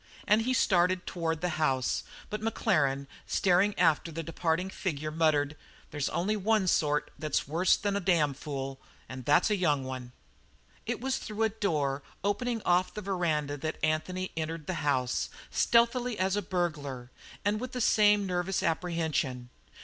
And he started toward the house, but Maclaren, staring after the departing figure, muttered: "There's only one sort that's worse than a damn fool, and that's a young one." It was through a door opening off the veranda that Anthony entered the house, stealthily as a burglar, and with the same nervous apprehension.